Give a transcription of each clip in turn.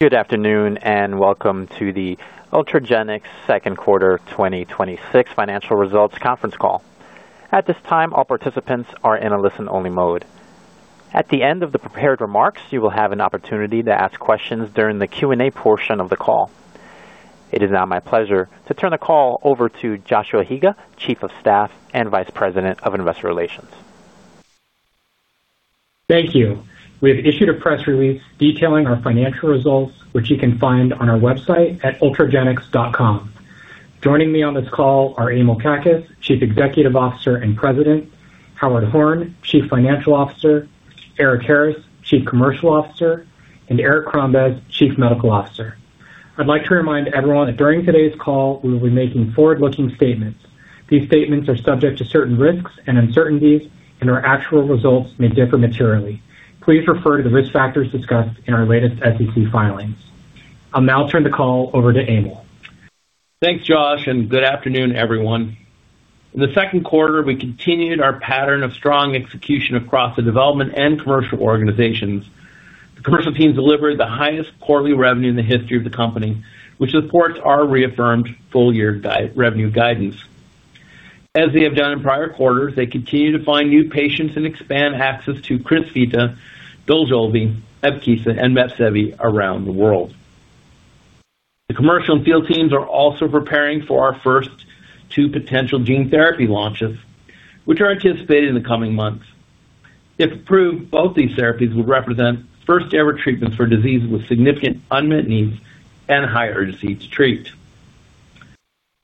Good afternoon, welcome to the Ultragenyx Second Quarter 2026 Financial Results Conference Call. At this time, all participants are in a listen-only mode. At the end of the prepared remarks, you will have an opportunity to ask questions during the Q&A portion of the call. It is now my pleasure to turn the call over to Joshua Higa, Chief of Staff and Vice President of Investor Relations. Thank you. We have issued a press release detailing our financial results, which you can find on our website at ultragenyx.com. Joining me on this call are Emil Kakkis, Chief Executive Officer and President, Howard Horn, Chief Financial Officer, Erik Harris, Chief Commercial Officer, and Eric Crombez, Chief Medical Officer. I'd like to remind everyone that during today's call, we will be making forward-looking statements. These statements are subject to certain risks and uncertainties, and our actual results may differ materially. Please refer to the risk factors discussed in our latest SEC filings. I'll now turn the call over to Emil. Thanks, Josh, good afternoon, everyone. In the second quarter, we continued our pattern of strong execution across the development and commercial organizations. The commercial team delivered the highest quarterly revenue in the history of the company, which supports our reaffirmed full-year revenue guidance. As they have done in prior quarters, they continue to find new patients and expand access to Crysvita, DOJOLVI, Evkeeza, and MEPSEVII around the world. The commercial and field teams are also preparing for our first two potential gene therapy launches, which are anticipated in the coming months. If approved, both these therapies would represent first-ever treatments for diseases with significant unmet needs and high urgency to treat.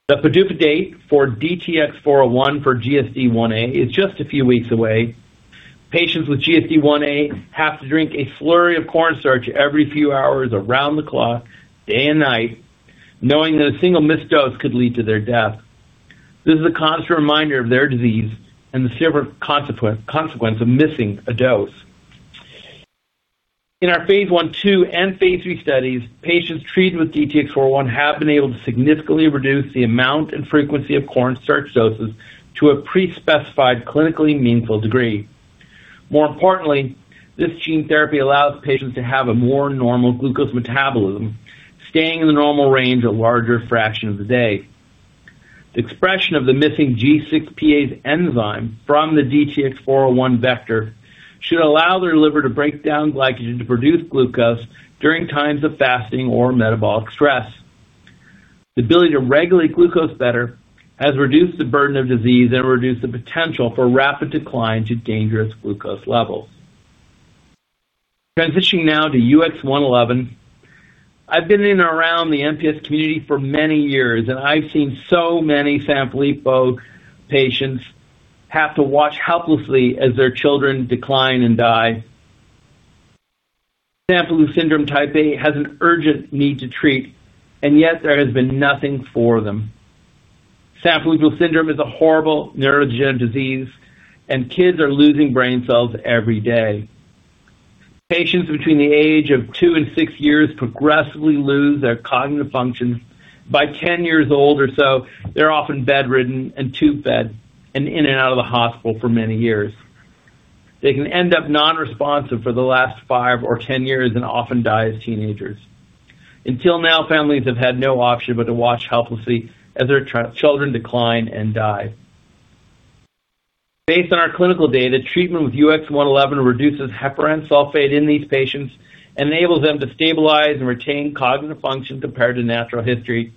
The PDUFA date for DTX-401 for GSD 1A is just a few weeks away. Patients with GSD 1A have to drink a slurry of cornstarch every few hours around the clock, day and night, knowing that a single missed dose could lead to their death. This is a constant reminder of their disease and the severe consequence of missing a dose. In our phase I/II and phase III studies, patients treated with DTX-401 have been able to significantly reduce the amount and frequency of cornstarch doses to a pre-specified, clinically meaningful degree. More importantly, this gene therapy allows patients to have a more normal glucose metabolism, staying in the normal range a larger fraction of the day. The expression of the missing G6Pase enzyme from the DTX-401 vector should allow their liver to break down glycogen to produce glucose during times of fasting or metabolic stress. The ability to regulate glucose better has reduced the burden of disease and reduced the potential for rapid decline to dangerous glucose levels. Transitioning now to UX-111. I've been in and around the MPS community for many years, and I've seen so many Sanfilippo patients have to watch helplessly as their children decline and die. Sanfilippo syndrome type A has an urgent need to treat, yet there has been nothing for them. Sanfilippo syndrome is a horrible neurodegenerative disease, and kids are losing brain cells every day. Patients between the age of two and six years progressively lose their cognitive functions. By 10 years old or so, they're often bedridden and tube-fed and in and out of the hospital for many years. They can end up non-responsive for the last five or 10 years and often die as teenagers. Until now, families have had no option but to watch helplessly as their children decline and die. Based on our clinical data, treatment with UX-111 reduces heparan sulfate in these patients and enables them to stabilize and retain cognitive function compared to natural history.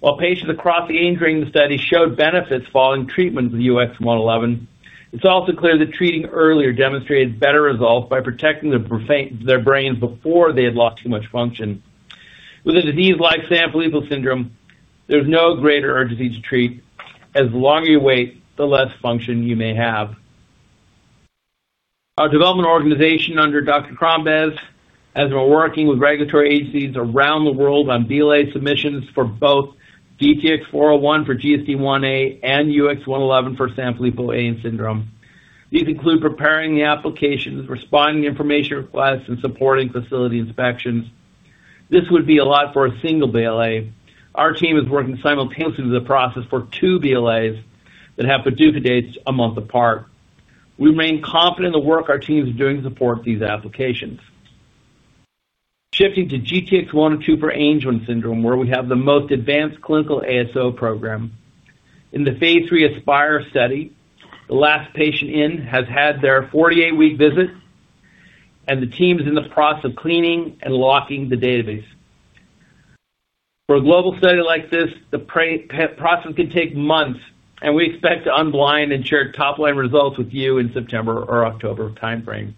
While patients across the age range in the study showed benefits following treatment with UX-111, it's also clear that treating earlier demonstrated better results by protecting their brains before they had lost too much function. With a disease like Sanfilippo syndrome, there's no greater urgency to treat. As long as you wait, the less function you may have. Our development organization under Dr. Crombez has been working with regulatory agencies around the world on BLA submissions for both DTX-401 for GSDIa and UX-111 for Sanfilippo A syndrome. These include preparing the applications, responding to information requests, and supporting facility inspections. This would be a lot for a single BLA. Our team is working simultaneously with the process for two BLAs that have PDUFA dates a month apart. We remain confident in the work our team is doing to support these applications. Shifting to GTX-102 for Angelman syndrome, where we have the most advanced clinical ASO program. In the phase III ASPIRE study, the last patient in has had their 48-week visit, and the team is in the process of cleaning and locking the database. For a global study like this, the process could take months, and we expect to unblind and share top-line results with you in September or October timeframe.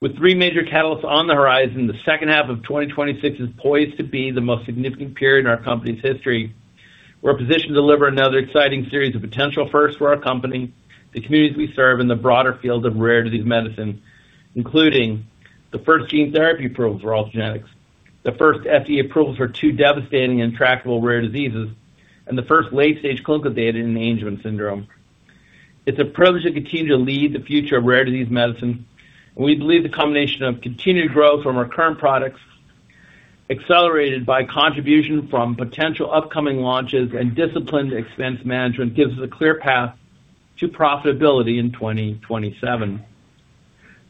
With three major catalysts on the horizon, the second half of 2026 is poised to be the most significant period in our company's history. We're positioned to deliver another exciting series of potential firsts for our company, the communities we serve, and the broader field of rare disease medicine, including the first gene therapy approvals for Ultragenyx, the first FDA approvals for two devastating and intractable rare diseases, and the first late-stage clinical data in Angelman syndrome. It's a privilege to continue to lead the future of rare disease medicine, and we believe the combination of continued growth from our current products accelerated by contribution from potential upcoming launches and disciplined expense management gives a clear path to profitability in 2027.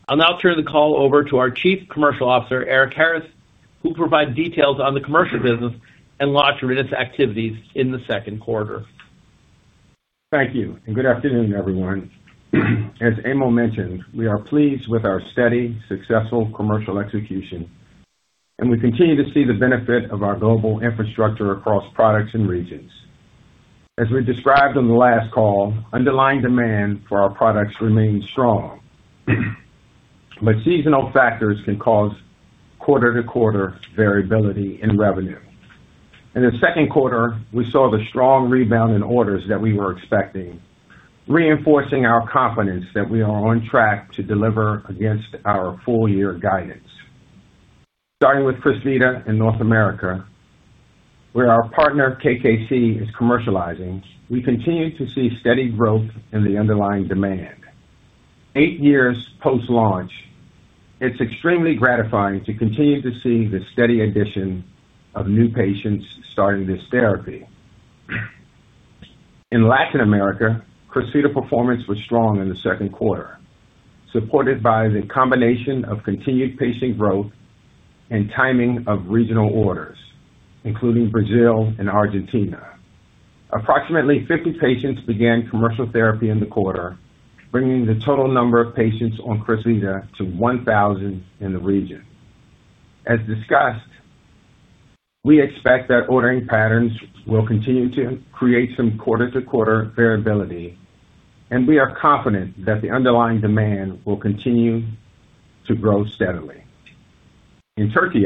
I'll now turn the call over to our Chief Commercial Officer, Erik Harris, who'll provide details on the commercial business and launch readiness activities in the second quarter. Thank you, and good afternoon, everyone. As Emil mentioned, we are pleased with our steady, successful commercial execution, and we continue to see the benefit of our global infrastructure across products and regions. As we described on the last call, underlying demand for our products remains strong, but seasonal factors can cause quarter-to-quarter variability in revenue. In the second quarter, we saw the strong rebound in orders that we were expecting, reinforcing our confidence that we are on track to deliver against our full-year guidance. Starting with Crysvita in North America, where our partner, KKC, is commercializing, we continue to see steady growth in the underlying demand. Eight years post-launch, it's extremely gratifying to continue to see the steady addition of new patients starting this therapy. In Latin America, Crysvita performance was strong in the second quarter, supported by the combination of continued patient growth and timing of regional orders, including Brazil and Argentina. Approximately 50 patients began commercial therapy in the quarter, bringing the total number of patients on Crysvita to 1,000 in the region. As discussed, we expect that ordering patterns will continue to create some quarter-to-quarter variability, and we are confident that the underlying demand will continue to grow steadily. In Turkey,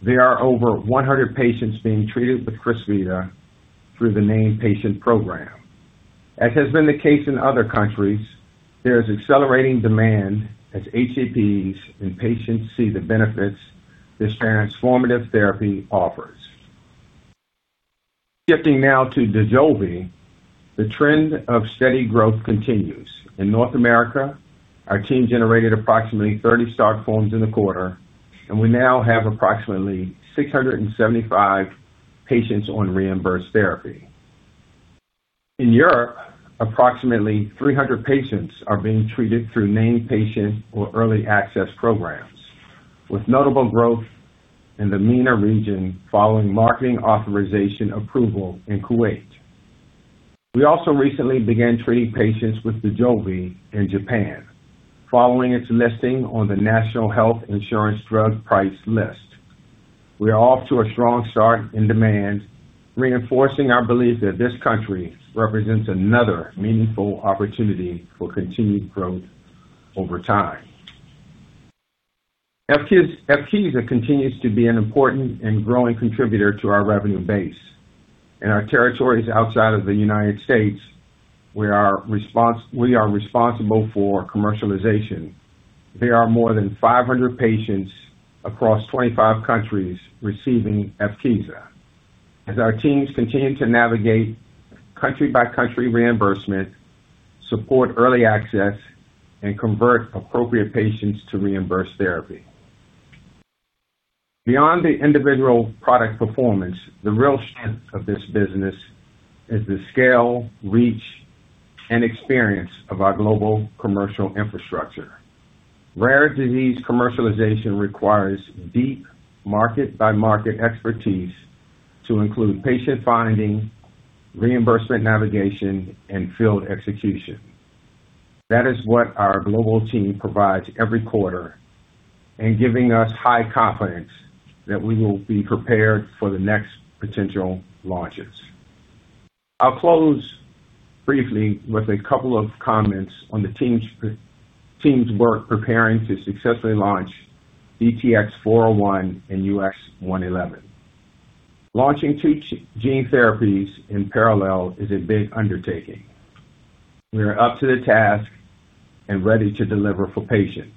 there are over 100 patients being treated with Crysvita through the named patient program. As has been the case in other countries, there is accelerating demand as HCPs and patients see the benefits this transformative therapy offers. Shifting now to DOJOLVI, the trend of steady growth continues. In North America, our team generated approximately 30 start forms in the quarter, and we now have approximately 675 patients on reimbursed therapy. In Europe, approximately 300 patients are being treated through named patient or early access programs, with notable growth in the MENA region following marketing authorization approval in Kuwait. We also recently began treating patients with DOJOLVI in Japan, following its listing on the National Health Insurance (NHI) Drug Price List. We are off to a strong start in demand, reinforcing our belief that this country represents another meaningful opportunity for continued growth over time. Evkeeza continues to be an important and growing contributor to our revenue base. In our territories outside of the U.S., we are responsible for commercialization. There are more than 500 patients across 25 countries receiving Evkeeza, as our teams continue to navigate country-by-country reimbursement, support early access, and convert appropriate patients to reimbursed therapy. Beyond the individual product performance, the real strength of this business is the scale, reach, and experience of our global commercial infrastructure. Rare disease commercialization requires deep market-by-market expertise to include patient finding, reimbursement navigation, and field execution. That is what our global team provides every quarter in giving us high confidence that we will be prepared for the next potential launches. I'll close briefly with a couple of comments on the team's work preparing to successfully launch DTX401 and UX111. Launching two gene therapies in parallel is a big undertaking. We are up to the task and ready to deliver for patients.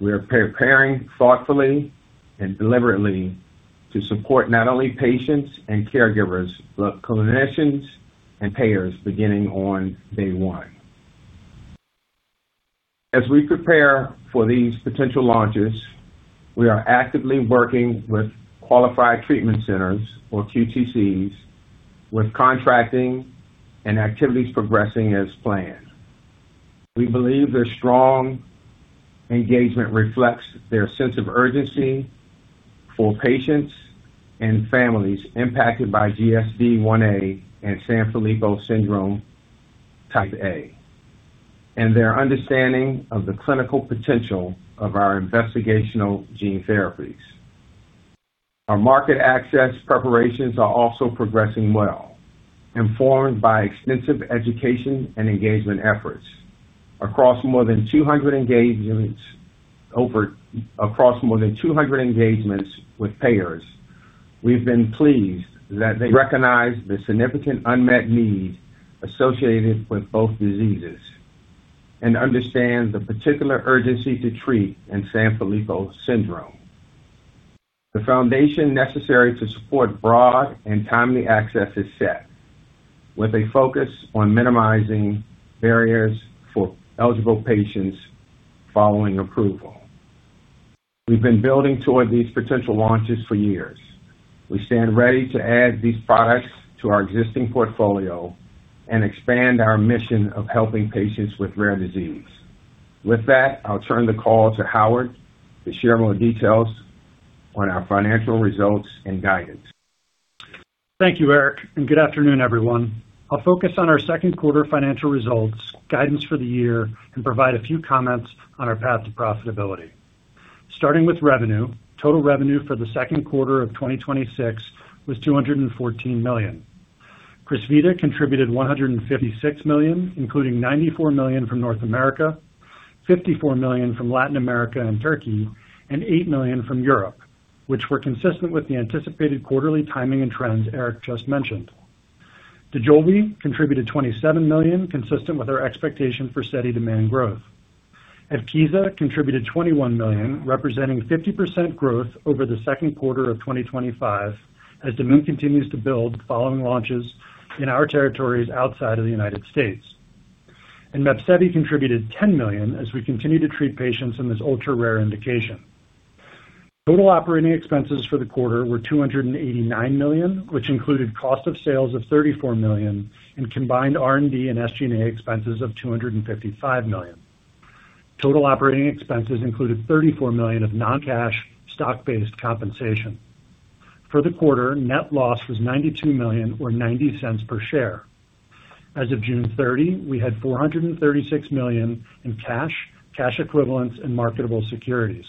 We are preparing thoughtfully and deliberately to support not only patients and caregivers but clinicians and payers beginning on day one. As we prepare for these potential launches, we are actively working with Qualified Treatment Centers, or QTCs, with contracting and activities progressing as planned. We believe their strong engagement reflects their sense of urgency for patients and families impacted by GSDIa and Sanfilippo syndrome type A, and their understanding of the clinical potential of our investigational gene therapies. Our market access preparations are also progressing well, informed by extensive education and engagement efforts. Across more than 200 engagements with payers, we've been pleased that they recognize the significant unmet need associated with both diseases and understand the particular urgency to treat in Sanfilippo syndrome. The foundation necessary to support broad and timely access is set. With a focus on minimizing barriers for eligible patients following approval, we've been building toward these potential launches for years. We stand ready to add these products to our existing portfolio and expand our mission of helping patients with rare disease. I'll turn the call to Howard to share more details on our financial results and guidance. Thank you, Erik, and good afternoon, everyone. I'll focus on our second quarter financial results, guidance for the year, and provide a few comments on our path to profitability. Starting with revenue, total revenue for the second quarter of 2026 was $214 million. Crysvita contributed $156 million, including $94 million from North America, $54 million from Latin America and Turkey, and $8 million from Europe, which were consistent with the anticipated quarterly timing and trends Erik just mentioned. DOJOLVI contributed $27 million, consistent with our expectation for steady demand growth. Evkeeza contributed $21 million, representing 50% growth over the second quarter of 2025 as demand continues to build following launches in our territories outside of the United States. MEPSEVII contributed $10 million as we continue to treat patients in this ultra-rare indication. Total operating expenses for the quarter were $289 million, which included cost of sales of $34 million and combined R&D and SG&A expenses of $255 million. Total operating expenses included $34 million of non-cash stock-based compensation. For the quarter, net loss was $92 million or $0.90 per share. As of June 30, we had $436 million in cash equivalents, and marketable securities.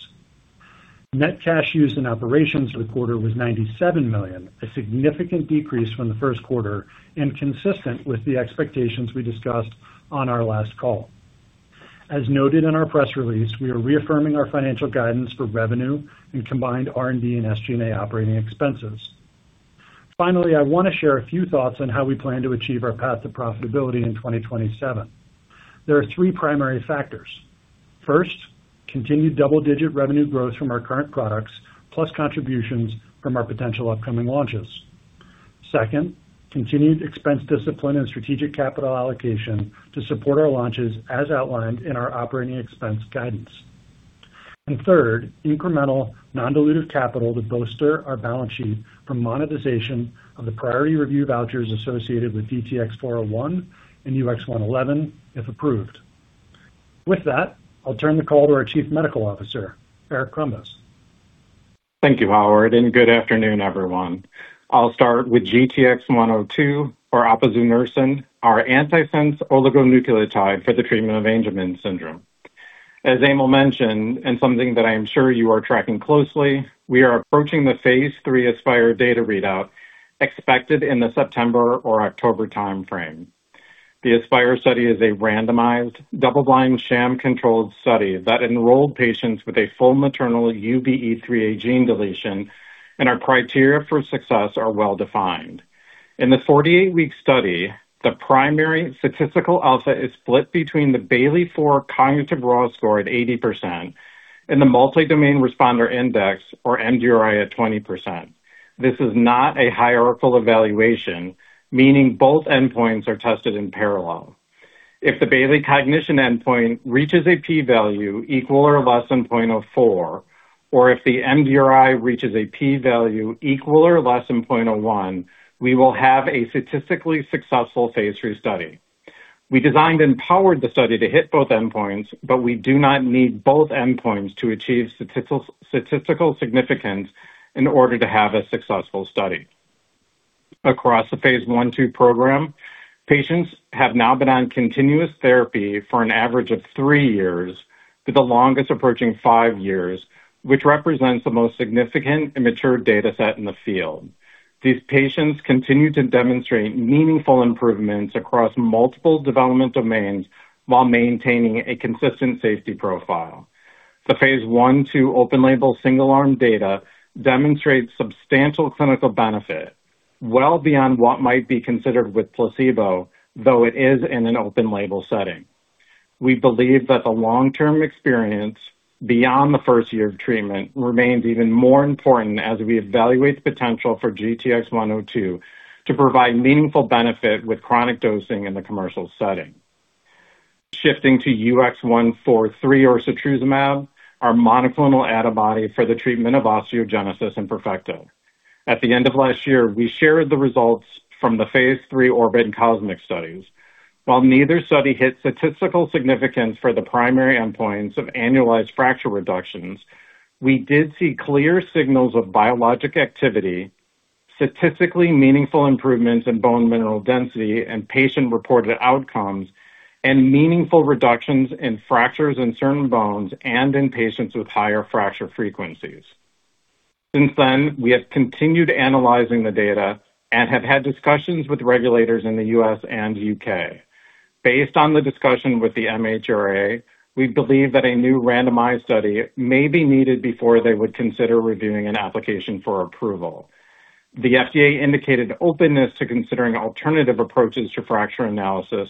Net cash used in operations for the quarter was $97 million, a significant decrease from the first quarter and consistent with the expectations we discussed on our last call. As noted in our press release, we are reaffirming our financial guidance for revenue and combined R&D and SG&A operating expenses. Finally, I want to share a few thoughts on how we plan to achieve our path to profitability in 2027. There are three primary factors. First, continued double-digit revenue growth from our current products, plus contributions from our potential upcoming launches. Second, continued expense discipline and strategic capital allocation to support our launches, as outlined in our operating expense guidance. Third, incremental non-dilutive capital to bolster our balance sheet from monetization of the priority review vouchers associated with DTX401 and UX111, if approved. With that, I'll turn the call to our Chief Medical Officer, Eric Crombez. Thank you, Howard, and good afternoon, everyone. I'll start with GTX-102, or apazunersen, our antisense oligonucleotide for the treatment of Angelman syndrome. As Emil mentioned, and something that I am sure you are tracking closely, we are approaching the phase III ASPIRE data readout expected in the September or October timeframe. The ASPIRE study is a randomized, double-blind, sham-controlled study that enrolled patients with a full maternal UBE3A gene deletion, and our criteria for success are well-defined. In the 48-week study, the primary statistical alpha is split between the Bayley-4 cognitive raw score at 80% and the Multi-Domain Responder Index, or MDRI, at 20%. This is not a hierarchical evaluation, meaning both endpoints are tested in parallel. If the Bayley cognition endpoint reaches a P value equal or less than .04, or if the MDRI reaches a P value equal or less than .01, we will have a statistically successful phase III study. We designed and powered the study to hit both endpoints, but we do not need both endpoints to achieve statistical significance in order to have a successful study. Across the phase I/II program, patients have now been on continuous therapy for an average of three years, with the longest approaching five years, which represents the most significant and mature data set in the field. These patients continue to demonstrate meaningful improvements across multiple development domains while maintaining a consistent safety profile. The phase I/II open-label single-arm data demonstrates substantial clinical benefit well beyond what might be considered with placebo, though it is in an open-label setting. We believe that the long-term experience beyond the first year of treatment remains even more important as we evaluate the potential for GTX-102 to provide meaningful benefit with chronic dosing in the commercial setting. Shifting to UX143, or setrusumab, our monoclonal antibody for the treatment of osteogenesis imperfecta. At the end of last year, we shared the results from the phase III ORBIT and COSMIC studies. While neither study hit statistical significance for the primary endpoints of annualized fracture reductions, we did see clear signals of biologic activity, statistically meaningful improvements in bone mineral density and patient-reported outcomes, and meaningful reductions in fractures in certain bones and in patients with higher fracture frequencies. Since then, we have continued analyzing the data and have had discussions with regulators in the U.S. and U.K. Based on the discussion with the MHRA, we believe that a new randomized study may be needed before they would consider reviewing an application for approval. The FDA indicated openness to considering alternative approaches to fracture analysis,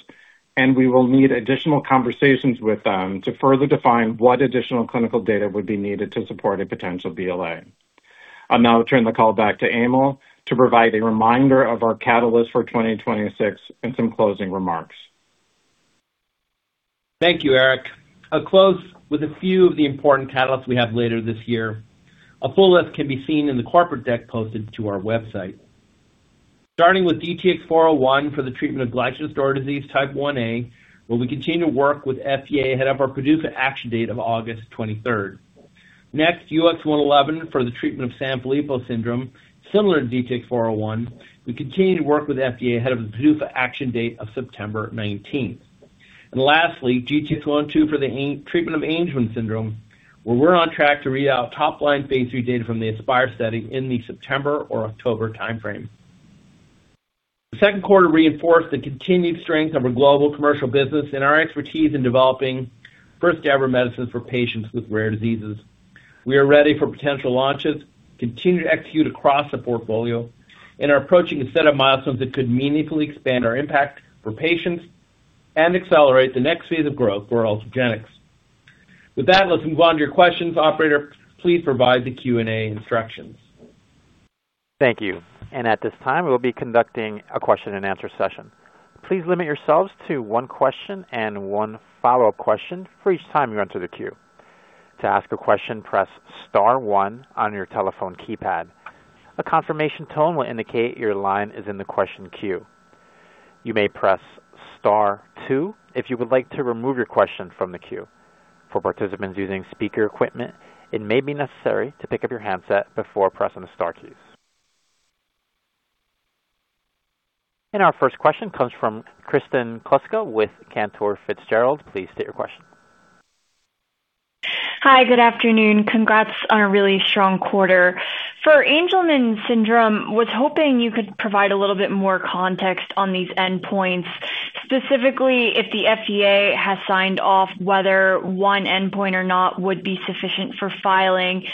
and we will need additional conversations with them to further define what additional clinical data would be needed to support a potential BLA. I'll now turn the call back to Emil to provide a reminder of our catalyst for 2026 and some closing remarks. Thank you, Eric. I'll close with a few of the important catalysts we have later this year. A full list can be seen in the corporate deck posted to our website. Starting with DTX401 for the treatment of Glycogen Storage Disease Type Ia, where we continue to work with FDA ahead of our PDUFA action date of August 23rd. Next, UX111 for the treatment of Sanfilippo syndrome. Similar to DTX401, we continue to work with FDA ahead of the PDUFA action date of September 19th. Lastly, GTX-102 for the treatment of Angelman syndrome, where we're on track to read out top line phase III data from the ASPIRE study in the September or October timeframe. The second quarter reinforced the continued strength of our global commercial business and our expertise in developing first-ever medicines for patients with rare diseases. We are ready for potential launches, continue to execute across the portfolio, and are approaching a set of milestones that could meaningfully expand our impact for patients and accelerate the next phase of growth for Ultragenyx. With that, let's move on to your questions. Operator, please provide the Q&A instructions. Thank you. At this time, we will be conducting a question and answer session. Please limit yourselves to one question and one follow-up question for each time you enter the queue. To ask a question, press star one on your telephone keypad. A confirmation tone will indicate your line is in the question queue. You may press star two if you would like to remove your question from the queue. For participants using speaker equipment, it may be necessary to pick up your handset before pressing the star keys. Our first question comes from Kristen Kluska with Cantor Fitzgerald. Please state your question. Hi, good afternoon. Congrats on a really strong quarter. For Angelman syndrome, was hoping you could provide a little bit more context on these endpoints. Specifically, if the FDA has signed off whether one endpoint or not would be sufficient for filing.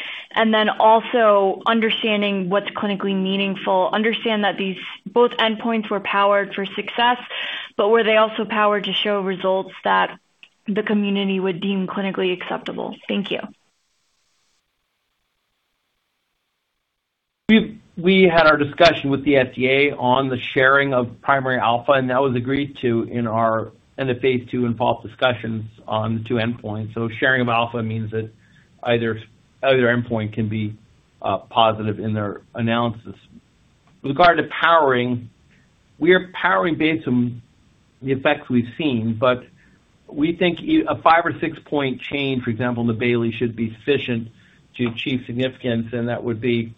Also understanding what's clinically meaningful. Understand that these both endpoints were powered for success, but were they also powered to show results that the community would deem clinically acceptable? Thank you. We had our discussion with the FDA on the sharing of primary alpha, and that was agreed to in the phase III and pulse discussions on the two endpoints. Sharing of alpha means that either endpoint can be positive in their analysis. With regard to powering, we are powering based on the effects we've seen. We think a five or six-point change, for example, in the Bayley should be sufficient to achieve significance, and that would be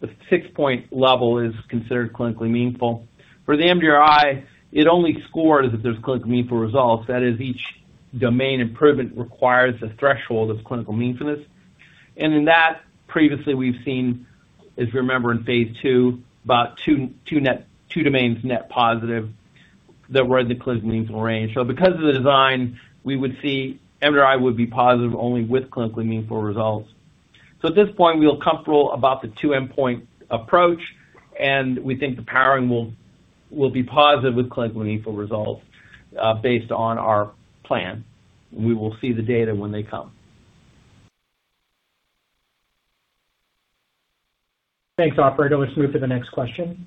the six-point level is considered clinically meaningful. For the MDRI, it only scores if there's clinically meaningful results. That is, each domain improvement requires a threshold of clinical meaningfulness. In that, previously, we've seen, as you remember in phase III, about two domains net positive that were in the clinically meaningful range. Because of the design, we would see MDRI would be positive only with clinically meaningful results. At this point, we feel comfortable about the two-endpoint approach, we think the powering will be positive with clinically meaningful results, based on our plan. We will see the data when they come. Thanks, operator. Let's move to the next question.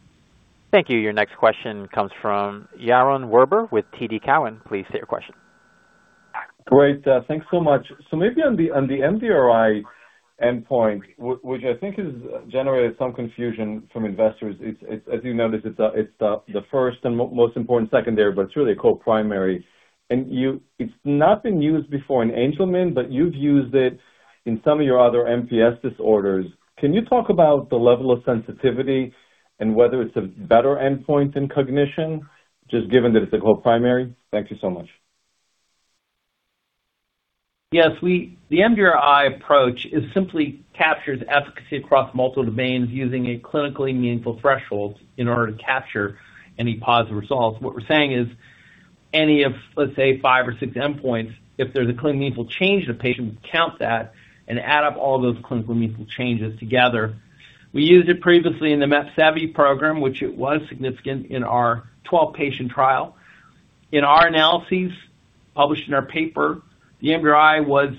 Thank you. Your next question comes from Yaron Werber with TD Cowen. Please state your question. Great. Thanks so much. Maybe on the MDRI endpoint, which I think has generated some confusion from investors, as you noted, it's the first and most important secondary, but it's really a co-primary. It's not been used before in Angelman, but you've used it in some of your other MPS disorders. Can you talk about the level of sensitivity and whether it's a better endpoint in cognition, just given that it's a co-primary? Thank you so much. Yes. The MDRI approach simply captures efficacy across multiple domains using a clinically meaningful threshold in order to capture any positive results. What we're saying is, any of, let's say, five or six endpoints, if there's a clinically meaningful change in the patient, count that and add up all those clinically meaningful changes together. We used it previously in the MEPSEVII program, which it was significant in our 12-patient trial. In our analyses published in our paper, the MDRI was,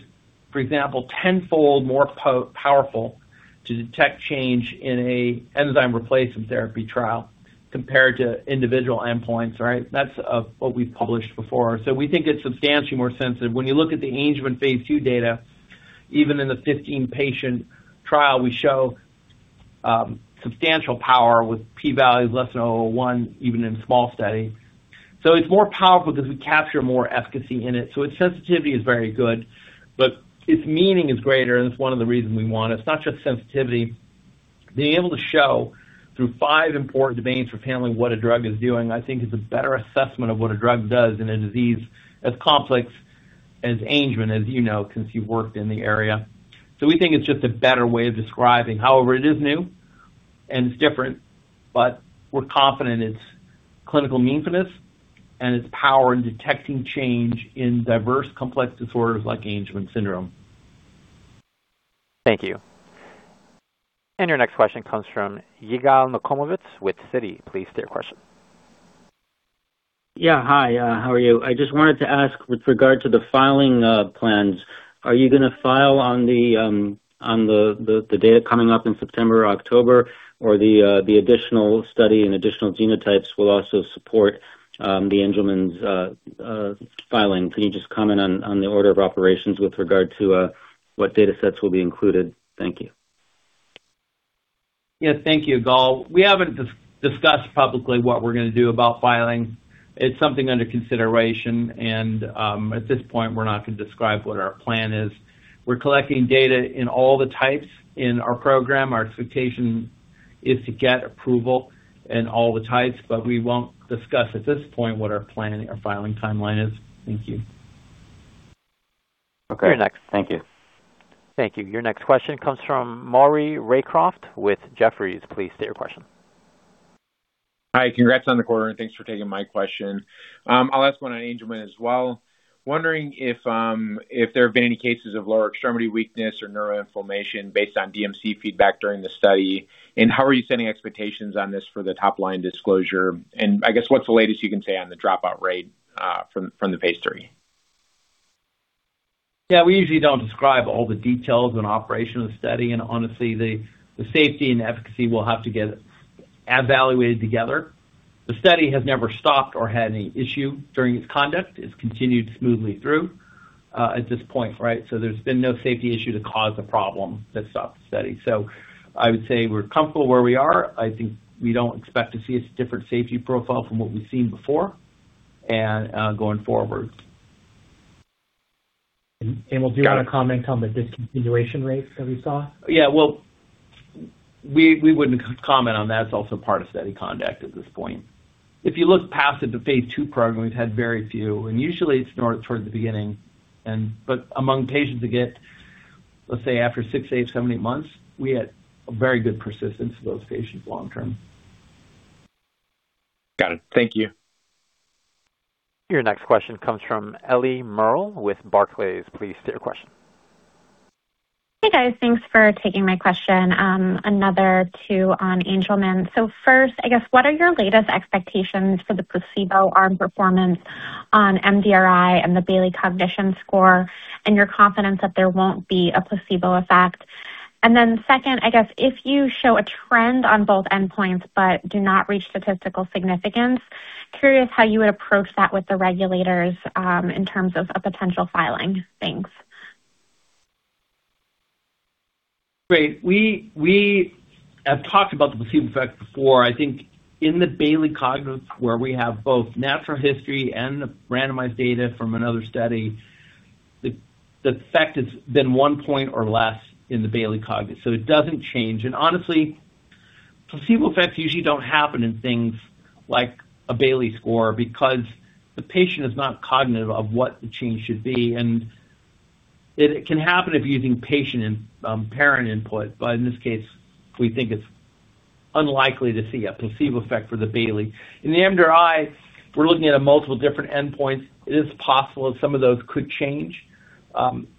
for example, tenfold more powerful to detect change in an enzyme replacement therapy trial compared to individual endpoints, right? That's what we've published before. We think it's substantially more sensitive. When you look at the Angelman phase III data, even in the 15-patient trial, we show substantial power with P values less than 001, even in small studies. It's more powerful because we capture more efficacy in it. Its sensitivity is very good, but its meaning is greater, and it's one of the reasons we want it. It's not just sensitivity. Being able to show through five important domains for family what a drug is doing, I think is a better assessment of what a drug does in a disease as complex as Angelman, as you know, since you've worked in the area. We think it's just a better way of describing. However, it is new and it's different, but we're confident in its clinical meaningfulness and its power in detecting change in diverse, complex disorders like Angelman syndrome. Thank you. Your next question comes from Yigal Nochomovitz with Citi. Please state your question. Yeah. Hi, how are you? I just wanted to ask with regard to the filing plans, are you going to file on the data coming up in September or October? The additional study and additional genotypes will also support the Angelman's filing. Can you just comment on the order of operations with regard to what data sets will be included? Thank you. Yeah. Thank you, Yigal. We haven't discussed publicly what we're going to do about filing. It's something under consideration, and at this point, we're not going to describe what our plan is. We're collecting data in all the types in our program. Our expectation is to get approval in all the types, but we won't discuss at this point what our filing timeline is. Thank you. Okay. Your next- Thank you. Thank you. Your next question comes from Maury Raycroft with Jefferies. Please state your question. Hi. Congrats on the quarter, thanks for taking my question. I'll ask one on Angelman as well. Wondering if there have been any cases of lower extremity weakness or neuroinflammation based on DMC feedback during the study, and how are you setting expectations on this for the top-line disclosure? I guess, what's the latest you can say on the dropout rate from the phase III? Yeah. We usually don't describe all the details and operation of the study. Honestly, the safety and efficacy will have to get evaluated together. The study has never stopped or had any issue during its conduct. It's continued smoothly through at this point, right? There's been no safety issue to cause a problem that stops the study. I would say we're comfortable where we are. I think we don't expect to see a different safety profile from what we've seen before and going forward. Will- Got it. Do you want to comment on the discontinuation rates that we saw? Yeah. Well, we wouldn't comment on that. It's also part of study conduct at this point. If you look past it to phase III program, we've had very few, and usually it's more toward the beginning. Among patients that get, let's say, after six, eight, seven, eight months, we had a very good persistence of those patients long term. Got it. Thank you. Your next question comes from Eliana Merle with Barclays. Please state your question. Hey, guys. Thanks for taking my question. Another two on Angelman. First, I guess, what are your latest expectations for the placebo arm performance on MDRI and the Bayley Cognition score and your confidence that there won't be a placebo effect? Second, I guess if you show a trend on both endpoints but do not reach statistical significance, curious how you would approach that with the regulators in terms of a potential filing. Thanks. Great. We have talked about the placebo effect before. I think in the Bayley Cognition, where we have both natural history and the randomized data from another study, the effect has been one point or less in the Bayley Cognition, so it doesn't change. Honestly, placebo effects usually don't happen in things like a Bayley score because the patient is not cognitive of what the change should be. It can happen if you're using parent input. In this case, we think it's unlikely to see a placebo effect for the Bayley. In the MDRI, we're looking at multiple different endpoints. It is possible that some of those could change.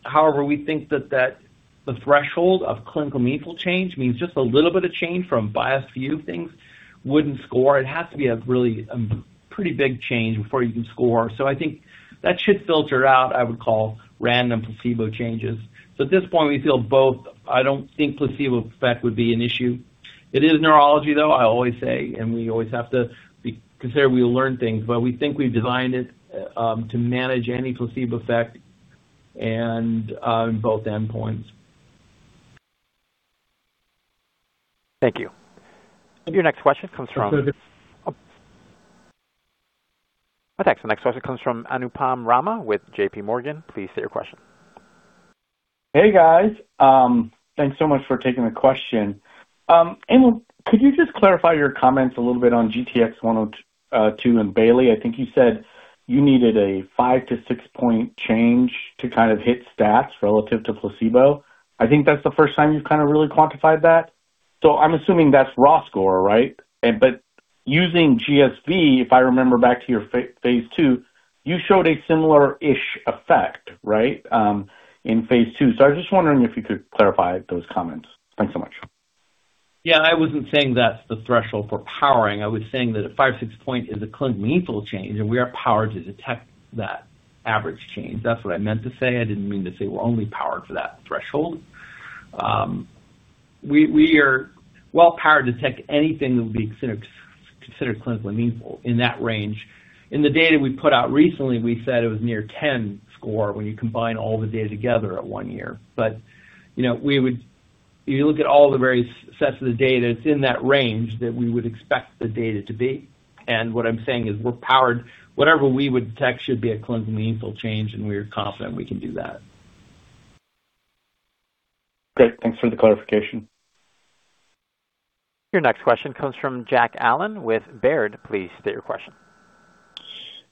However, we think that the threshold of clinical meaningful change means just a little bit of change from bias view things wouldn't score. It has to be a really pretty big change before you can score. I think that should filter out, I would call random placebo changes. At this point, we feel both. I don't think placebo effect would be an issue. It is neurology, though, I always say, and we always have to consider we learn things. We think we've designed it to manage any placebo effect and on both endpoints. Thank you. Your next question comes from- That's it. Oh. My thanks. The next question comes from Anupam Rama with JPMorgan. Please state your question. Hey, guys. Thanks so much for taking the question. Emil, could you just clarify your comments a little bit on GTX-102 and Bayley? I think you said you needed a five- to six-point change to hit stats relative to placebo. I think that's the first time you've really quantified that. I'm assuming that's raw score, right? Using GSV, if I remember back to your phase III, you showed a similar-ish effect, right, in phase III. I was just wondering if you could clarify those comments. Thanks so much. Yeah. I wasn't saying that's the threshold for powering. I was saying that a five, six point is a clinically meaningful change, and we are powered to detect that average change. That's what I meant to say. I didn't mean to say we're only powered for that threshold. We are well powered to detect anything that would be considered clinically meaningful in that range. In the data we put out recently, we said it was near 10 score when you combine all the data together at one year. If you look at all the various sets of the data, it's in that range that we would expect the data to be. What I'm saying is we're powered. Whatever we would detect should be a clinically meaningful change, and we are confident we can do that. Great. Thanks for the clarification. Your next question comes from Jack Allen with Baird. Please state your question.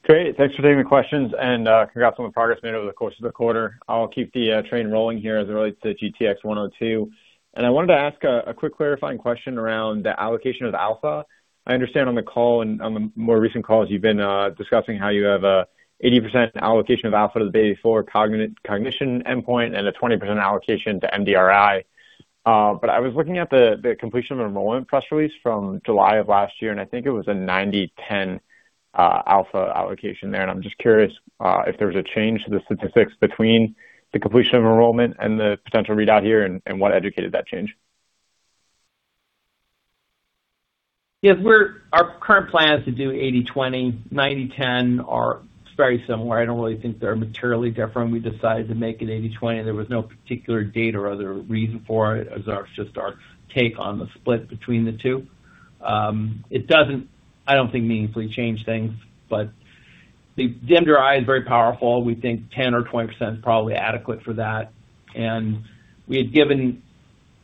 Great. Thanks for taking the questions and congrats on the progress made over the course of the quarter. I'll keep the train rolling here as it relates to GTX-102. I wanted to ask a quick clarifying question around the allocation of the alpha. I understand on the call and on the more recent calls, you've been discussing how you have an 80% allocation of alpha to the Bayley-4 cognition endpoint and a 20% allocation to MDRI. I was looking at the completion of enrollment press release from July of last year, I think it was a 90/10 alpha allocation there. I'm just curious if there was a change to the statistics between the completion of enrollment and the potential readout here, and what educated that change? Yes. Our current plan is to do 80/20. 90/10 are very similar. I don't really think they're materially different. We decided to make it 80/20. There was no particular date or other reason for it. It was just our take on the split between the two. It doesn't, I don't think, meaningfully change things, but the MDRI is very powerful. We think 10% or 20% is probably adequate for that. We had given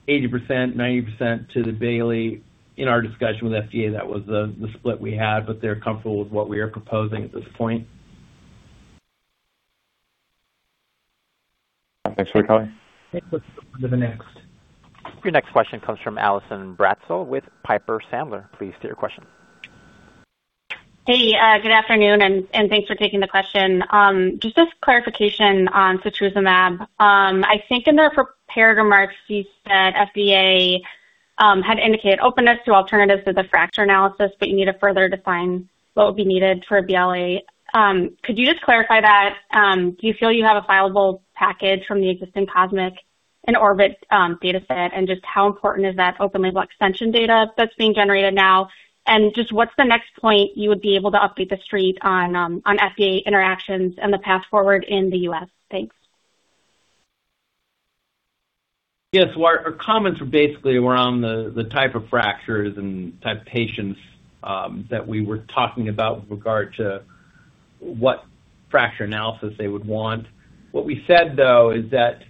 80%, 90% to the Bayley. In our discussion with FDA, that was the split we had, but they're comfortable with what we are proposing at this point. Thanks for the reply. Okay. Let's go to the next. Your next question comes from Allison Bratzel with Piper Sandler. Please state your question. Hey, good afternoon, and thanks for taking the question. Just as clarification on setrusumab, I think in the prepared remarks, you said FDA had indicated openness to alternatives to the fracture analysis, but you need to further define what would be needed for a BLA. Could you just clarify that? Do you feel you have a fileable package from the existing COSMIC and ORBIT dataset? Just how important is that open-label extension data that's being generated now? Just what's the next point you would be able to update The Street on FDA interactions and the path forward in the U.S.? Thanks. Yes. Our comments were basically around the type of fractures and type of patients that we were talking about with regard to what fracture analysis they would want. What we said, though, is that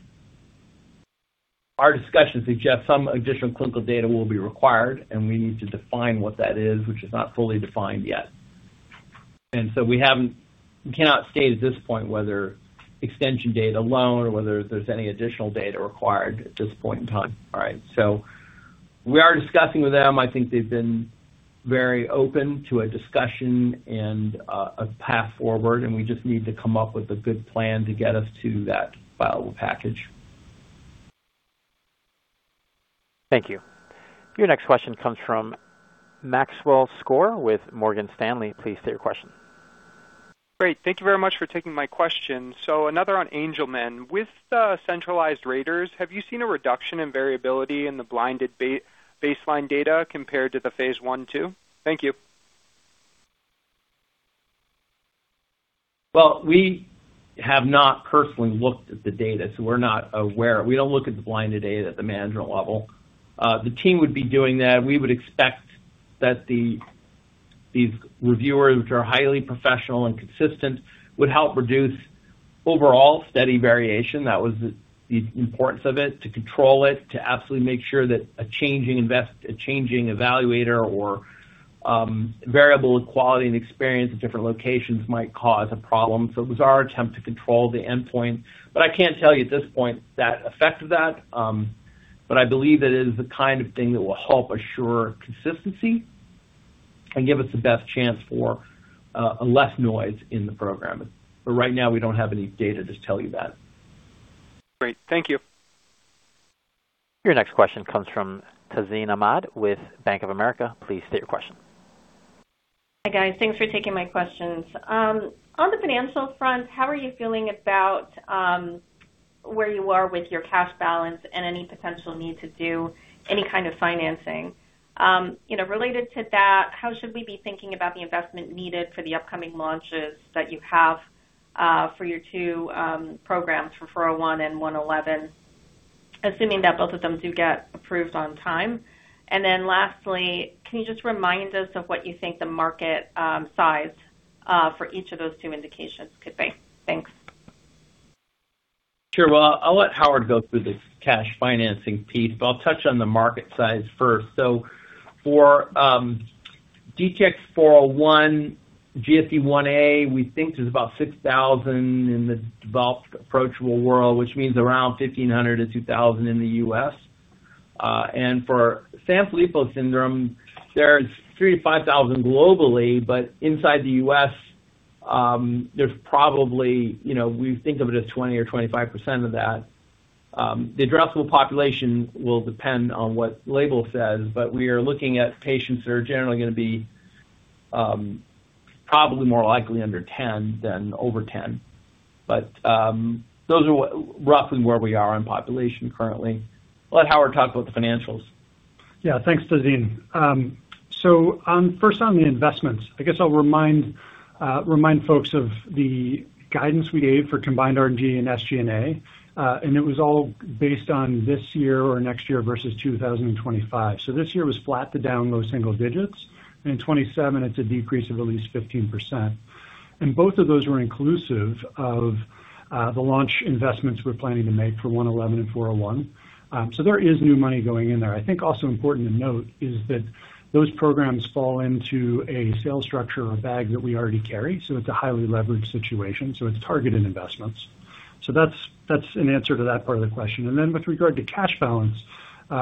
our discussions suggest some additional clinical data will be required, and we need to define what that is, which is not fully defined yet. We cannot state at this point whether extension data alone or whether there's any additional data required at this point in time. All right. We are discussing with them. I think they've been very open to a discussion and a path forward, and we just need to come up with a good plan to get us to that fileable package. Thank you. Your next question comes from Maxwell Skor with Morgan Stanley. Please state your question. Great. Thank you very much for taking my question. Another on Angelman. With the centralized raters, have you seen a reduction in variability in the blinded baseline data compared to the phase I/II? Thank you. We have not personally looked at the data. We're not aware. We don't look at the blinded data at the management level. The team would be doing that. We would expect that these reviewers, which are highly professional and consistent, would help reduce overall study variation. That was the importance of it, to control it, to absolutely make sure that a changing evaluator or variable in quality and experience at different locations might cause a problem. It was our attempt to control the endpoint. I can't tell you at this point that effect of that. I believe it is the kind of thing that will help assure consistency and give us the best chance for less noise in the program. Right now, we don't have any data to tell you that. Great. Thank you. Your next question comes from Tazeen Ahmad with Bank of America. Please state your question. Hi, guys. Thanks for taking my questions. On the financial front, how are you feeling about where you are with your cash balance and any potential need to do any kind of financing? Related to that, how should we be thinking about the investment needed for the upcoming launches that you have for your two programs for 401 and 111, assuming that both of them do get approved on time? Lastly, can you just remind us of what you think the market size for each of those two indications could be? Thanks. Sure. Well, I'll let Howard go through the cash financing piece, but I'll touch on the market size first. For DTX401 GSDIa, we think there's about 6,000 in the developed approachable world, which means around 1,500-2,000 in the U.S. For Sanfilippo syndrome, there are 3,000-5,000 globally, but inside the U.S., there's probably, we think of it as 20% or 25% of that. The addressable population will depend on what label says, but we are looking at patients that are generally going to be probably more likely under 10 than over 10. Those are roughly where we are on population currently. I'll let Howard talk about the financials. Yes. Thanks, Tazeen. First on the investments, I guess I'll remind folks of the guidance we gave for combined R&D and SG&A. It was all based on this year or next year versus 2025. This year was flat to down low single digits. In 2027, it's a decrease of at least 15%. Both of those were inclusive of the launch investments we're planning to make for 111 and 401. There is new money going in there. I think also important to note is that those programs fall into a sales structure or bag that we already carry. It's a highly leveraged situation, it's targeted investments. That's an answer to that part of the question. With regard to cash balance,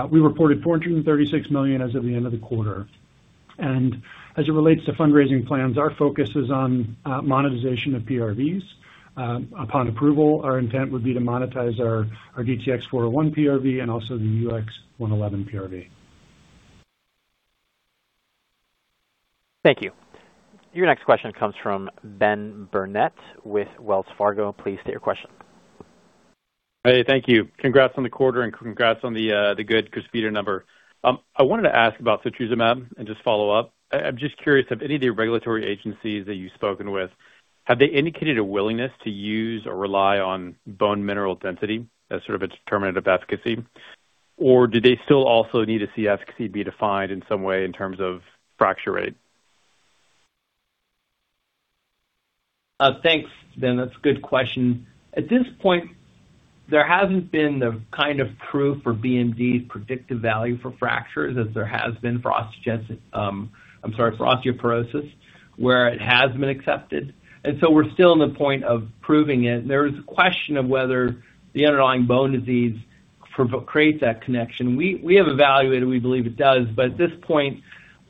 we reported $436 million as of the end of the quarter. As it relates to fundraising plans, our focus is on monetization of PRVs. Upon approval, our intent would be to monetize our DTX401 PRV and also the UX111 PRV. Thank you. Your next question comes from Ben Burnett with Wells Fargo. Please state your question. Hey, thank you. Congrats on the quarter and congrats on the good Crysvita number. I wanted to ask about setrusumab and just follow up. I'm just curious, have any of the regulatory agencies that you've spoken with, have they indicated a willingness to use or rely on bone mineral density as sort of a determinant of efficacy? Or do they still also need to see efficacy be defined in some way in terms of fracture rate? Thanks, Ben. That's a good question. At this point, there hasn't been the kind of proof for BMD's predictive value for fractures as there has been for osteogenesis, I'm sorry, for osteoporosis, where it has been accepted. We're still in the point of proving it. There's a question of whether the underlying bone disease creates that connection. We have evaluated, we believe it does, but at this point,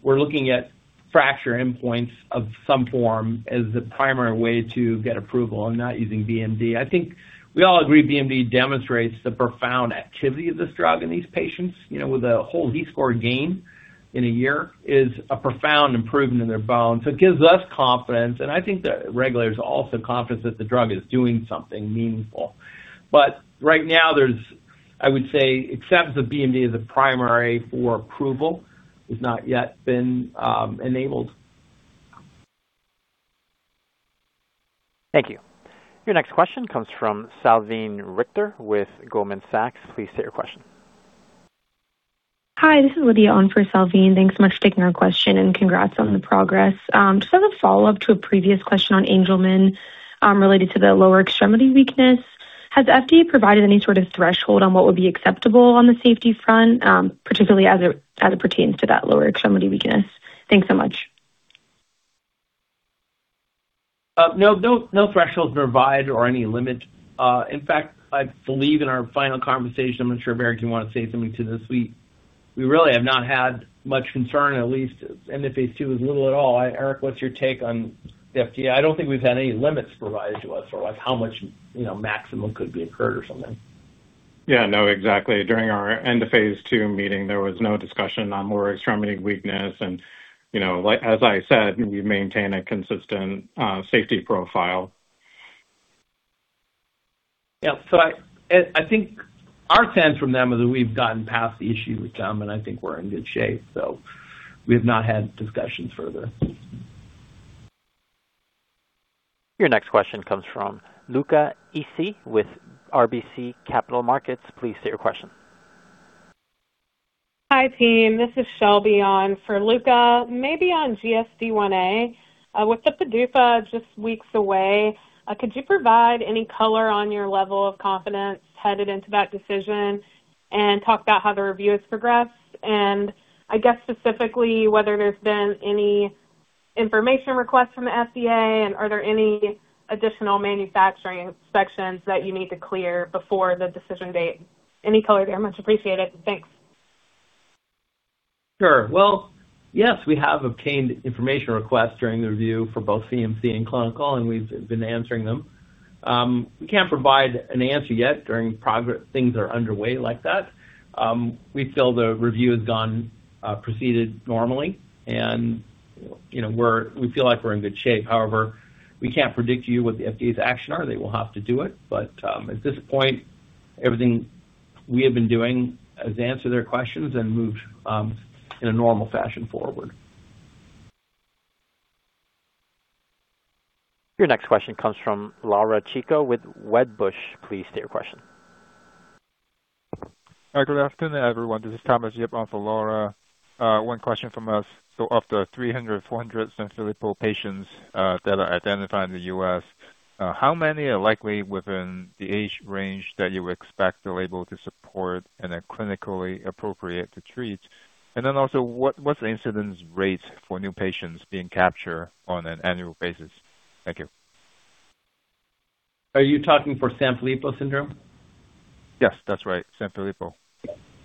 we're looking at fracture endpoints of some form as the primary way to get approval and not using BMD. I think we all agree BMD demonstrates the profound activity of this drug in these patients. With a whole Z-score gain in a year is a profound improvement in their bones. It gives us confidence, and I think the regulators are also confident that the drug is doing something meaningful. Right now there's, I would say, acceptance of BMD as a primary for approval has not yet been enabled. Thank you. Your next question comes from Salveen Richter with Goldman Sachs. Please state your question. Hi, this is Lydia on for Salveen. Thanks so much for taking our question and congrats on the progress. Just as a follow-up to a previous question on Angelman, related to the lower extremity weakness, has the FDA provided any sort of threshold on what would be acceptable on the safety front, particularly as it pertains to that lower extremity weakness? Thanks so much. No thresholds were provided or any limits. In fact, I believe in our final conversation, I'm not sure if Eric you want to say something to this. We really have not had much concern, at least end of phase II as little at all. Eric, what's your take on the FDA? I don't think we've had any limits provided to us or how much maximum could be incurred or something. No, exactly. During our end of phase II meeting, there was no discussion on lower extremity weakness and as I said, we maintain a consistent safety profile. I think our sense from them is that we've gotten past the issue with them, and I think we're in good shape. We've not had discussions further. Your next question comes from Luca Issi with RBC Capital Markets. Please state your question. Hi, team. This is Shelby on for Luca. Maybe on GSDIa. With the PDUFA just weeks away, could you provide any color on your level of confidence headed into that decision and talk about how the review has progressed? I guess specifically whether there's been any information requests from the FDA and are there any additional manufacturing sections that you need to clear before the decision date? Any color there much appreciated. Thanks. Sure. Well, yes, we have obtained information requests during the review for both CMC and clinical, and we've been answering them. We can't provide an answer yet during progress. Things are underway like that. We feel the review has proceeded normally, and we feel like we're in good shape. However, we can't predict to you what the FDA's action are. They will have to do it. At this point, everything we have been doing is answer their questions and move in a normal fashion forward. Your next question comes from Laura Chico with Wedbush. Please state your question. Good afternoon, everyone. This is Thomas Yip on for Laura. One question from us. Of the 300, 400 Sanfilippo patients that are identified in the U.S., how many are likely within the age range that you would expect the label to support and are clinically appropriate to treat? Also, what's the incidence rate for new patients being captured on an annual basis? Thank you. Are you talking for Sanfilippo syndrome? Yes, that's right. Sanfilippo.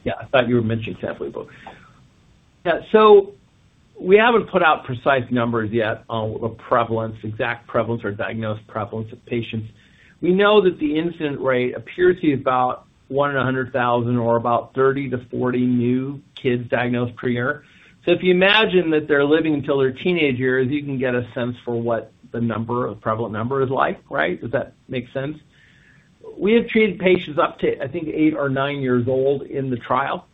Yeah, I thought you were mentioning Sanfilippo. Yeah. We haven't put out precise numbers yet on the prevalence, exact prevalence or diagnosed prevalence of patients. We know that the incident rate appears to be about one in 100,000 or about 30-40 new kids diagnosed per year. If you imagine that they're living until their teenage years, you can get a sense for what the number or prevalent number is like, right? Does that make sense? We have treated patients up to, I think, eight or nine years old in the trial.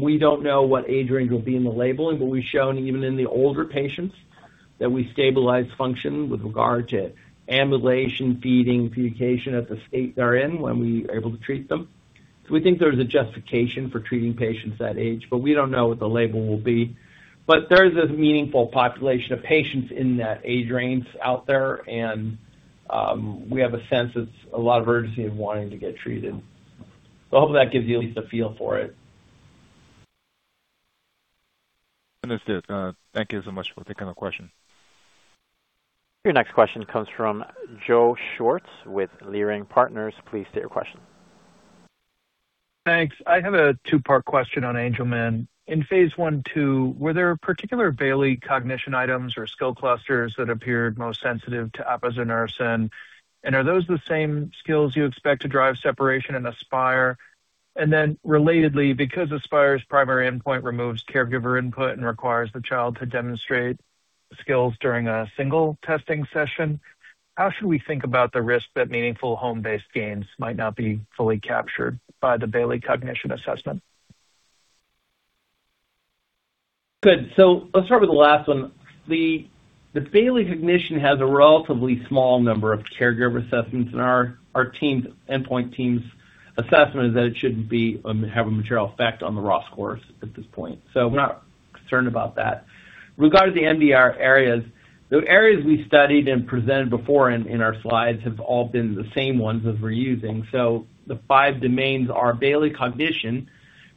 We don't know what age range will be in the labeling, but we've shown even in the older patients that we stabilize function with regard to ambulation, feeding, communication at the state they're in when we are able to treat them. We think there's a justification for treating patients that age, but we don't know what the label will be. There is a meaningful population of patients in that age range out there, and we have a sense it's a lot of urgency in wanting to get treated. Hopefully, that gives you at least a feel for it. Understood. Thank you so much for taking the question. Your next question comes from Joseph Schwartz with Leerink Partners. Please state your question. Thanks. I have a two-part question on Angelman. In phase I/II, were there particular Bayley cognition items or skill clusters that appeared most sensitive to apazunersen? Are those the same skills you expect to drive separation in ASPIRE? Relatedly, because ASPIRE's primary endpoint removes caregiver input and requires the child to demonstrate skills during a single testing session, how should we think about the risk that meaningful home-based gains might not be fully captured by the Bayley Cognition assessment? Good. Let's start with the last one. The Bayley Cognition has a relatively small number of caregiver assessments, and our endpoint team's assessment is that it shouldn't have a material effect on the raw scores at this point. We're not concerned about that. Regarding the MDR areas, the areas we studied and presented before in our slides have all been the same ones as we're using. The five domains are Bayley cognition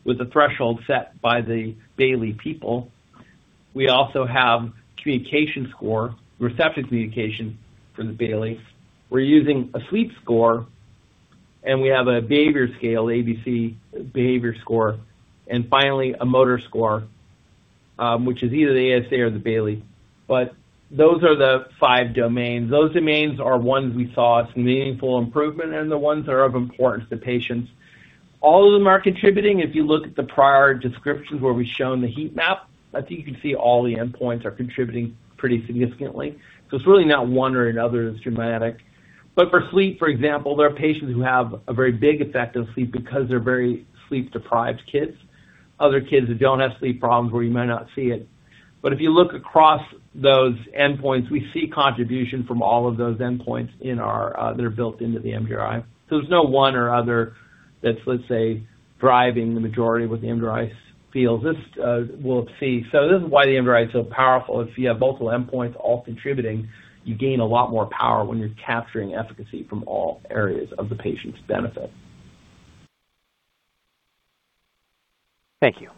with a threshold set by the Bayley people. We also have communication score, receptive communication for the Bayley. We're using a sleep score, and we have a behavior scale, ABC behavior score, and finally a motor score, which is either the ASA or the Bayley. Those are the five domains. Those domains are ones we saw some meaningful improvement in and the ones that are of importance to patients. All of them are contributing. If you look at the prior descriptions where we've shown the heat map, I think you can see all the endpoints are contributing pretty significantly. It's really not one or another that's dramatic. For sleep, for example, there are patients who have a very big effect on sleep because they're very sleep-deprived kids. Other kids who don't have sleep problems where you might not see it. If you look across those endpoints, we see contribution from all of those endpoints that are built into the MDRI. There's no one or other that's, let's say, driving the majority of what the MDRI feels. We'll see. This is why the MDRI is so powerful. If you have multiple endpoints all contributing, you gain a lot more power when you're capturing efficacy from all areas of the patient's benefit. Thank you.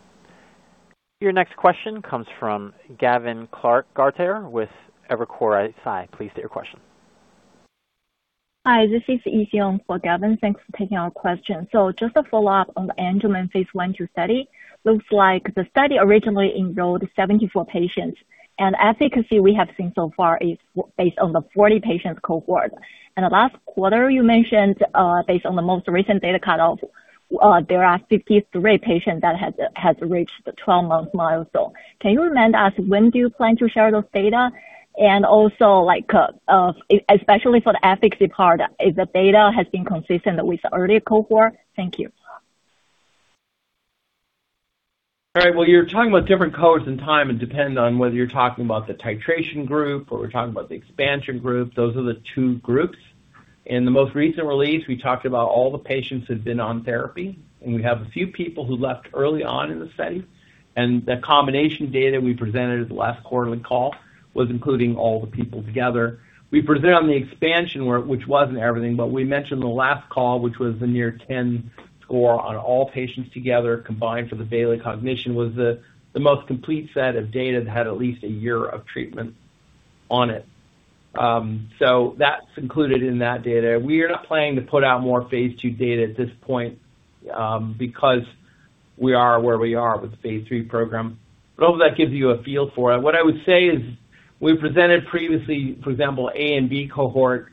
Your next question comes from Gavin Clark-Gartner with Evercore ISI. Please state your question. Hi, this is Yi Zhong for Gavin. Thanks for taking our question. Just a follow-up on the Angelman phase I/II study. Looks like the study originally enrolled 74 patients, and efficacy we have seen so far is based on the 40 patients cohort. The last quarter you mentioned, based on the most recent data cut-off, there are 53 patients that have reached the 12-month milestone. Can you remind us when do you plan to share those data? Also, especially for the efficacy part, if the data has been consistent with the earlier cohort? Thank you. All right. Well, you're talking about different cohorts and time. It depends on whether you're talking about the titration group, or we're talking about the expansion group. Those are the two groups. In the most recent release, we talked about all the patients who've been on therapy, and we have a few people who left early on in the study. The combination data we presented at the last quarterly call was including all the people together. We presented on the expansion, which wasn't everything, but we mentioned the last call, which was the near 10 score on all patients together combined for the Bayley cognition was the most complete set of data that had at least a year of treatment on it. That's included in that data. We are not planning to put out more phase III data at this point, because we are where we are with the phase III program. I hope that gives you a feel for it. I would say is we presented previously, for example, A and B cohort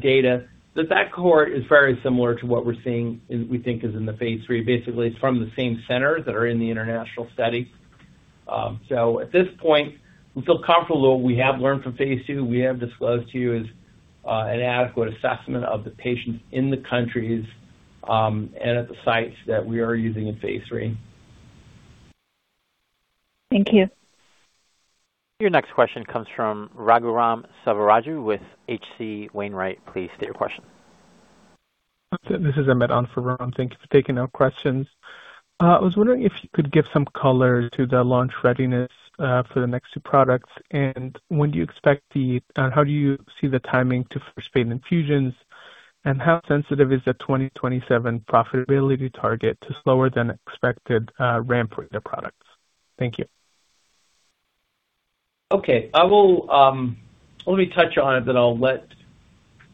data, that cohort is very similar to what we're seeing and we think is in the phase III. Basically, it's from the same centers that are in the international study. At this point, we feel comfortable that what we have learned from phase III, we have disclosed to you as an adequate assessment of the patients in the countries, and at the sites that we are using in phase III. Thank you. Your next question comes from Raghuram Selvaraju with H.C. Wainwright. Please state your question. This is Ahmed on for Raghuram. Thank you for taking our questions. I was wondering if you could give some color to the launch readiness for the next two products. How do you see the timing to first patient infusions? How sensitive is the 2027 profitability target to slower-than-expected ramp for the products? Thank you. Okay. Let me touch on it, I'll let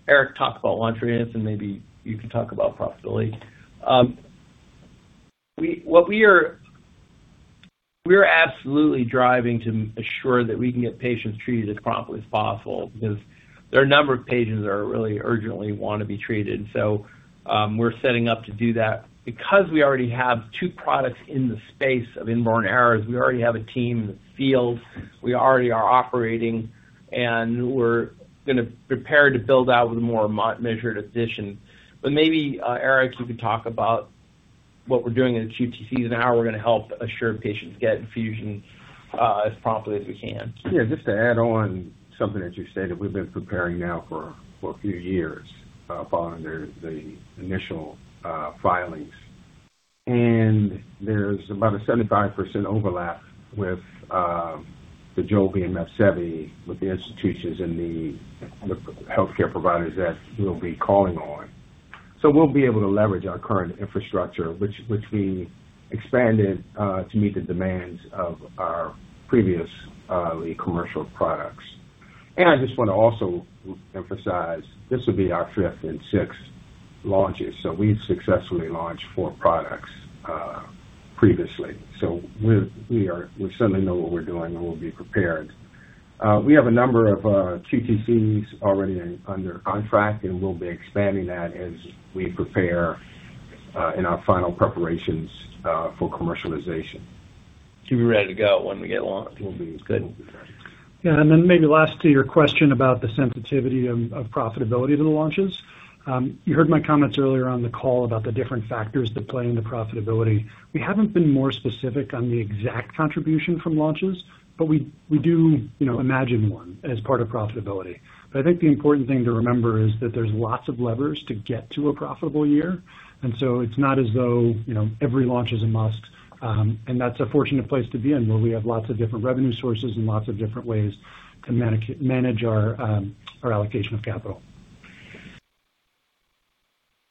Erik talk about launch readiness, and maybe you can talk about profitability. We're absolutely driving to assure that we can get patients treated as promptly as possible because there are a number of patients that really urgently want to be treated. We're setting up to do that. Because we already have two products in the space of inborn errors, we already have a team in the field. We already are operating, and we're going to prepare to build out with a more measured addition. Maybe, Erik, you can talk about what we're doing in the QTCs and how we're going to help assure patients get infusions as promptly as we can. Yeah, just to add on something that you said, that we've been preparing now for a few years following the initial filings. There's about a 75% overlap with the DOJOLVI and MEPSEVII with the institutions and the healthcare providers that we'll be calling on. We'll be able to leverage our current infrastructure, which we expanded to meet the demands of our previous commercial products. I just want to also emphasize, this will be our fifth and sixth launches. We've successfully launched four products previously. We certainly know what we're doing, and we'll be prepared. We have a number of QTCs already under contract, and we'll be expanding that as we prepare in our final preparations for commercialization. Should be ready to go when we get launched. We'll be. Good. We'll be ready. Maybe last to your question about the sensitivity of profitability to the launches. You heard my comments earlier on the call about the different factors that play into profitability. We haven't been more specific on the exact contribution from launches, but we do imagine one as part of profitability. I think the important thing to remember is that there's lots of levers to get to a profitable year, and so it's not as though every launch is a must. That's a fortunate place to be in, where we have lots of different revenue sources and lots of different ways to manage our allocation of capital.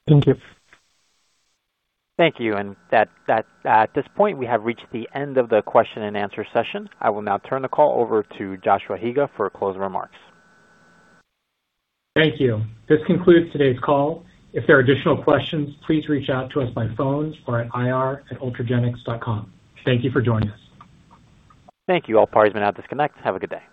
Thank you. Thank you. At this point, we have reached the end of the question and answer session. I will now turn the call over to Joshua Higa for closing remarks. Thank you. This concludes today's call. If there are additional questions, please reach out to us by phone or at ir@ultragenyx.com. Thank you for joining us. Thank you. All parties may now disconnect. Have a good day.